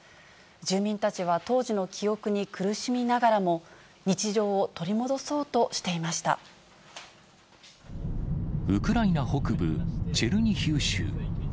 住民たちは当時の記憶に苦しみながらも、日常を取り戻そうとしてウクライナ北部、チェルニヒウ州。